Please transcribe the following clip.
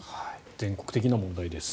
全国的な問題です。